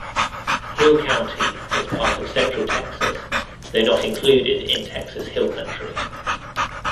Hill County is part of Central Texas, though not included in Texas Hill Country.